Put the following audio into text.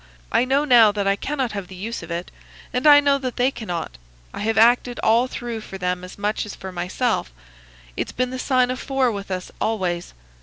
I know now that I cannot have the use of it, and I know that they cannot. I have acted all through for them as much as for myself. It's been the sign of four with us always.